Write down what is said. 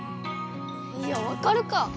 いやわかるかぁ！